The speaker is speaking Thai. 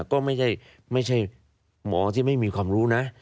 ก็ไม่ใช่หมอที่ไม่มีความรู้นะ